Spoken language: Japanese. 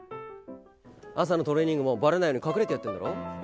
朝のトレーニングもばれないように隠れてやってんだろう。